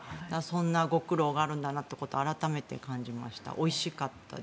そんなご苦労があるんだなということを改めて感じました。